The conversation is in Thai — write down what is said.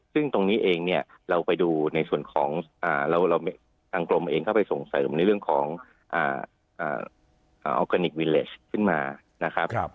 ซึ่งตรงนี้เองเนี่ยเราไปดูในส่วนของทางกรมเองเข้าไปส่งเสริมในเรื่องของออร์แกนิควิเลสขึ้นมานะครับ